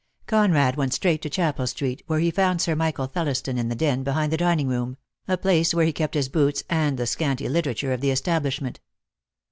Conrad went straight to Chapel Street, where he found Sir Michael Thelliston in the den behind the dining room, a place where he kept his boots and the scanty literature of the establishment.